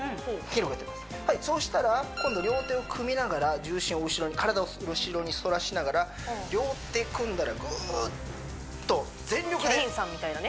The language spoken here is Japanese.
はいそうしたら今度両手を組みながら重心を後ろに体を後ろにそらしながら両手組んだらぐっと全力でケインさんみたいだね